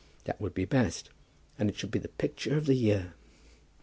That would be best. And it should be the picture of the year!